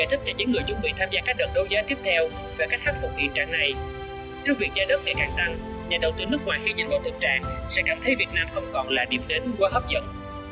trước việc giá đất ngày càng tăng nhà đầu tư nước ngoài khi nhìn vào thực trạng sẽ cảm thấy việt nam không còn là điểm đến quá hấp dẫn